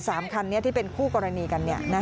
คันนี้ที่เป็นคู่กรณีกัน